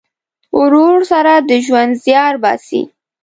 ورور سره د ژوند زیار باسې.